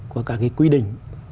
của các cái quy định